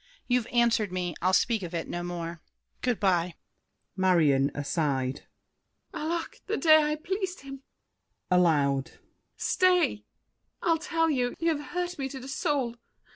You've answered me. I'll speak of it no more! Good by! MARION. (aside). Alack, the day I pleased him! [Aloud.] Stay! I'll tell you. You have hurt me to the soul.